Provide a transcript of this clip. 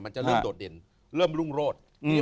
จะเริ่มโดดเด่นเริ่มรุ่งโรธ